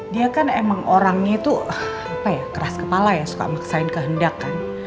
dia kan emang orangnya tuh apa ya keras kepala ya suka maksain kehendak kan